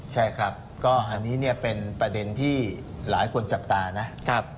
ใช่ครับก็อันนี้เนี่ยเป็นประเด็นที่หลายคนจับตานะ